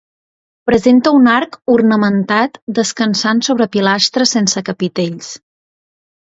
Presenta un arc ornamentat descansant sobre pilastres sense capitells.